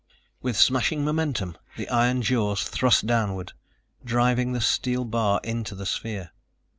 With smashing momentum the iron jaws thrust downward, driving the steel bar into the sphere.